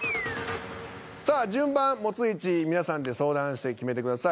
さあ順番持つ位置皆さんで相談して決めてください。